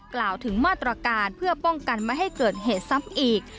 กล่าวถึงมาตรการเพื่อป้องกันไม่ให้เกิดเหตุซ้ำอีก